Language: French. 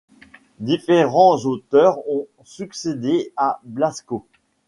Différents auteurs ont succédé à Blasco.